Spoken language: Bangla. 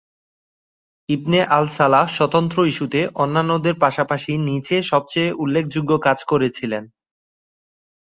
ইবনে আল সালাহ স্বতন্ত্র ইস্যুতে অন্যান্যদের পাশাপাশি নীচে সবচেয়ে উল্লেখযোগ্য কাজ করেছিলেন।